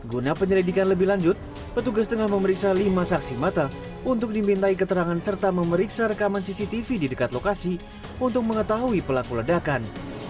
guna penyelidikan lebih lanjut petugas tengah memeriksa lima saksi mata untuk dimintai keterangan serta memeriksa rekaman cctv di dekat lokasi untuk mengetahui pelaku ledakan